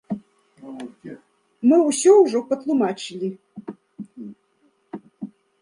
Мы ўсё ўжо патлумачылі.